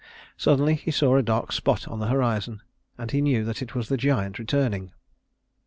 Suddenly he saw a dark spot on the horizon, and he knew that it was the giant returning.